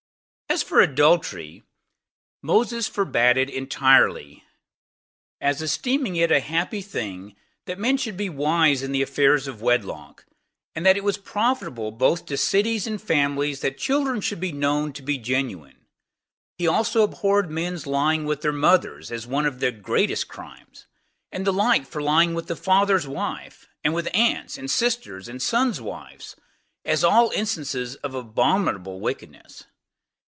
1. As for adultery, Moses forbade it entirely, as esteeming it a happy thing that men should be wise in the affairs of wedlock; and that it was profitable both to cities and families that children should be known to be genuine. He also abhorred men's lying with their mothers, as one of the greatest crimes; and the like for lying with the father's wife, and with aunts, and sisters, and sons' wives, as all instances of abominable wickedness.